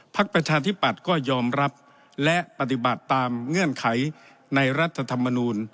ประชาธิปัตย์ก็ยอมรับและปฏิบัติตามเงื่อนไขในรัฐธรรมนูล